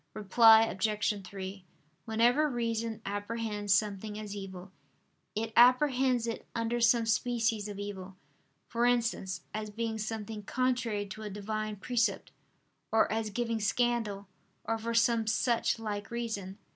Reply Obj. 3: Whenever reason apprehends something as evil, it apprehends it under some species of evil; for instance, as being something contrary to a divine precept, or as giving scandal, or for some such like reason.